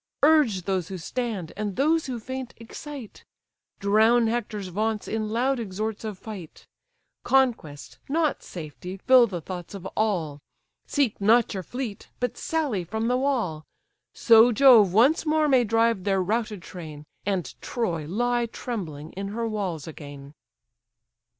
Urge those who stand, and those who faint, excite; Drown Hector's vaunts in loud exhorts of fight; Conquest, not safety, fill the thoughts of all; Seek not your fleet, but sally from the wall; So Jove once more may drive their routed train, And Troy lie trembling in her walls again."